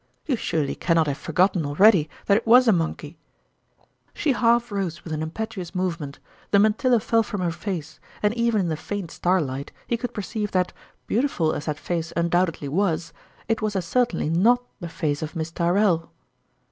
You surely can not have forgotten already that it was a monkey ?" She half rose with an impetuous movement, the mantilla fell from her face, and even in the faint starlight, he could perceive that, beau 54 &0tnrmalin's dime tiful as that face undoubtedly was, it was as certainly not the face of Miss Tyrrell